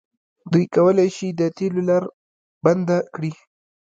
دوی کولی شي د تیلو لاره بنده کړي.